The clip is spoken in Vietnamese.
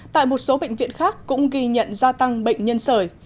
tại một số bệnh viện khác cũng ghi nhận gia tăng bệnh nhân sởi